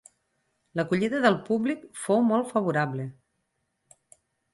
L'acollida del públic fou molt favorable.